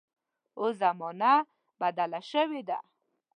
اوس زمانه بدله شوې ده.